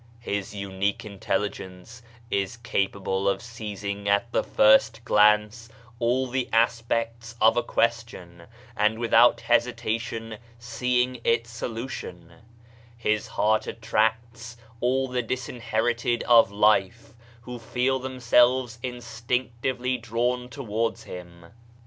His unique intelligence is capable of seizing at the first glance all the aspects of a question, and without hesitation seeing its solution; his heart attracts all the disinherited of life, who feel themselves instinctively drawn towards him.